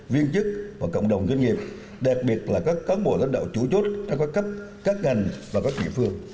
viên chức và cộng đồng doanh nghiệp đặc biệt là các cán bộ lãnh đạo chủ chốt trong các cấp các ngành và các địa phương